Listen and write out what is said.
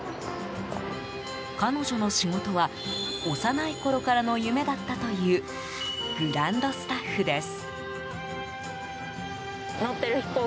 彼女の仕事は幼いころからの夢だったというグランドスタッフです。